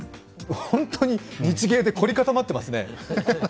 本当に日芸で凝り固まっていますね。